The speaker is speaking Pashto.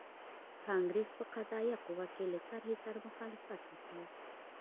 کانګریس په قضایه قوه کې له طرحې سره مخالفت وکړ.